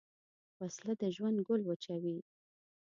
وسله د ژوند ګل وچوي